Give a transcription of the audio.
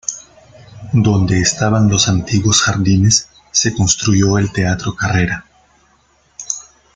Donde estaban los antiguos jardines se construyó el Teatro Carrera.